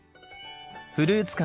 フルーツ感